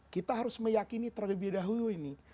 kita harus meyakini terlebih dahulu ini